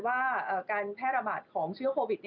ว่าการแพร่ระบาดของเชื้อโควิด